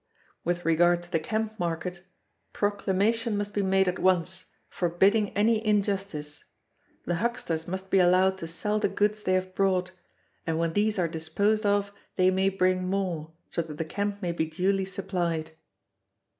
With regard to the camp market, proclamation must be made at once, forbidding any injustice; the hucksters must be allowed to sell the goods they have brought, and when these are disposed of they may bring more, so that the camp may be duly supplied."